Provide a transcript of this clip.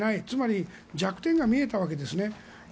つまり弱点が見えたわけですね。